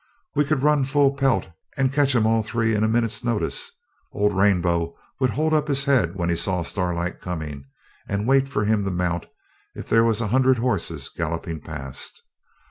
We could run full pelt and catch 'em all three in a minute's notice; old Rainbow would hold up his head when he saw Starlight coming, and wait for him to mount if there was a hundred horses galloping past.